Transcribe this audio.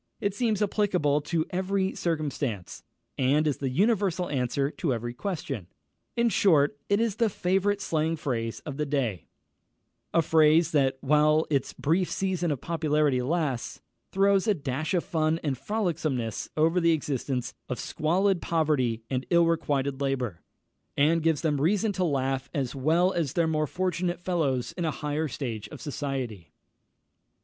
It seems applicable to every circumstance, and is the universal answer to every question; in short, it is the favourite slang phrase of the day, a phrase that, while its brief season of popularity lasts, throws a dash of fun and frolicsomeness over the existence of squalid poverty and ill requited labour, and gives them reason to laugh as well as their more fortunate fellows in a higher stage of society.